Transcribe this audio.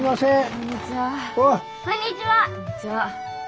こんにちは。